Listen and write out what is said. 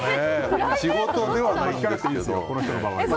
仕事ではないんですけど。